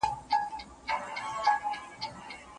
ايا ټولنه فرد اغېزمنوي؟